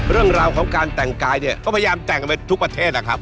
เรื่องราวของการแต่งกายเนี่ยก็พยายามแต่งกันไปทุกประเทศนะครับ